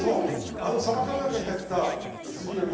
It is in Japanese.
あのさば缶の中に入ってた水煮の水。